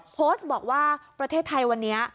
โพสต์บอกว่าประเทศไทยวันนี้